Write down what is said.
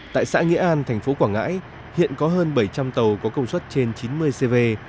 tại xã nghĩa an thành phố quảng ngãi hiện có hơn bảy trăm linh tàu có công suất trên chín mươi cv